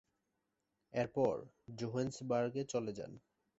এরপর, জোহেন্সবার্গে চলে যান।